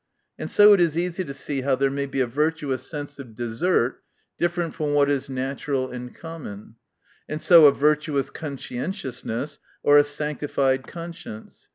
And so it is easy to see how there may be a virtuous sense of desert different from what is natural and common. And so a virtuous conscientiousness or a sanctified con science.